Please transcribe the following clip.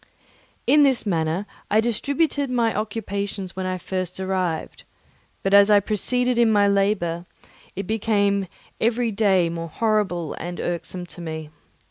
In this manner I distributed my occupations when I first arrived, but as I proceeded in my labour, it became every day more horrible and irksome to me.